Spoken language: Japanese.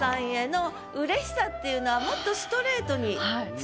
っていうのはもっと。